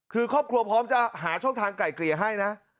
คือครอบครัวพร้อมจะหาช่องทางไกลเกลี่ยให้นะ